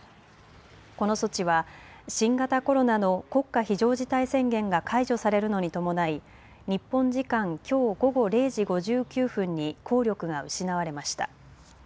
この措置は新型コロナの国家非常事態宣言が解除されるのに伴い日本時間きょう午後０時５９分に効力が失われました。